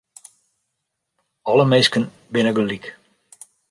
Alle minsken binne gelyk.